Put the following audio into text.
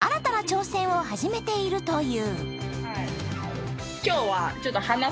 そこで新たな挑戦を始めているという。